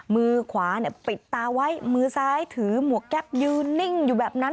มือขวาปิดตาไว้มือซ้ายถือหมวกแก๊ปยืนนิ่งอยู่แบบนั้น